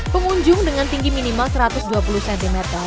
pengunjung dengan tinggi minimal satu ratus dua puluh cm